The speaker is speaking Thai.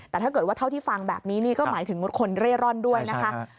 แต่ถ้าเกิดว่าเท่าที่ฟังแบบนี้นี่ก็หมายถึงคนเร่ร่อนด้วยนะคะ